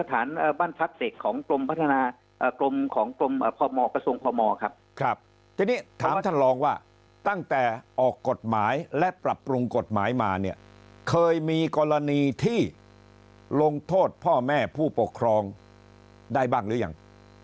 กระทรวงพมครับทีนี้ถามท่านรองว่าตั้งแต่ออกกฎหมายและปรับปรุงกฎหมายมาเนี่ยเคยมีกรณีที่ลงโทษพ่อแม่ผู้ปกครองได้บ้างหรือยัง